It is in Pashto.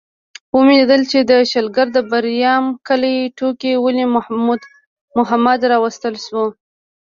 ومې لیدل چې د شلګر د بریام کلي ټوکي ولي محمد راوستل شو.